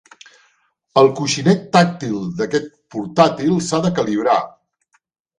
El coixinet tàctil d'aquest portàtil s'ha de calibrar.